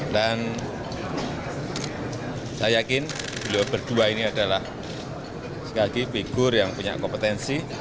dan saya yakin beliau berdua ini adalah sekali lagi figur yang punya kompetensi